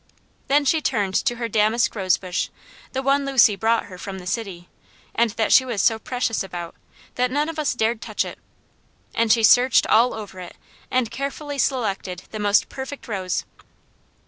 Then she turned to her damask rose bush, the one Lucy brought her from the city, and that she was so precious about, that none of us dared touch it, and she searched all over it and carefully selected the most perfect rose.